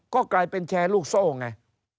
ก็กลายเป็นแชร์ลูกโซ่ไง